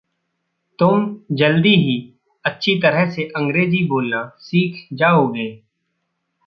तुम जल्दी ही अच्छी तरह से अंग्रेज़ी बोलना सीख जाओगे।